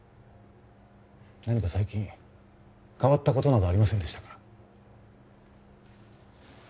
何か最近変わったことなどありませんでしたか？